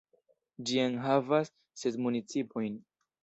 Ĝi enhavas ses municipojn.